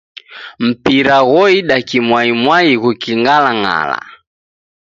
Mpira ghoida kimwaimwai ghuking'alang'ala.